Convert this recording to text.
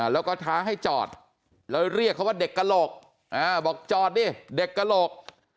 แล้วก็ท้าให้จอดแล้วเรียกเขาว่าเด็กกระโหลกบอกจอดดิเด็กกระโหลก